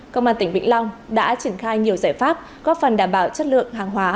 công an tỉnh vĩnh long đã triển khai nhiều giải pháp góp phần đảm bảo chất lượng hàng hóa